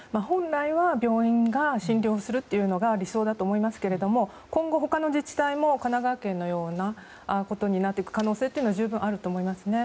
本来は病院が診療するというのが理想だと思いますが今後、他の自治体も神奈川県のようなことになっていく可能性というのは十分にあると思います。